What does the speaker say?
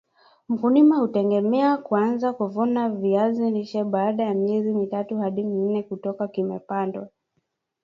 mkulima hutegemea kuanza kuvuna viazi lishe baada ya miezi mitatu hadi minne toka vimepandwa